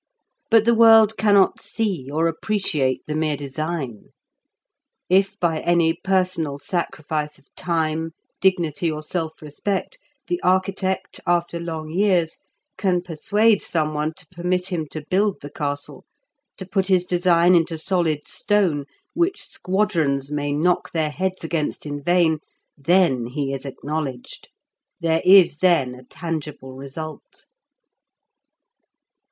But the world cannot see or appreciate the mere design. If by any personal sacrifice of time, dignity, or self respect the architect, after long years, can persuade someone to permit him to build the castle, to put his design into solid stone which squadrons may knock their heads against in vain, then he is acknowledged. There is then a tangible result.